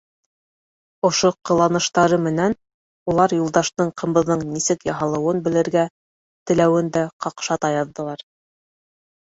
Ошо ҡыланыштары менән улар Юлдаштың ҡымыҙҙың нисек яһалыуын белергә теләүен дә ҡаҡшата яҙҙылар.